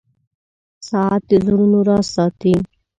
• ساعت د زړونو راز ساتي.